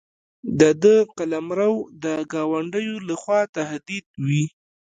د ده قلمرو د ګاونډیو له خوا تهدید وي.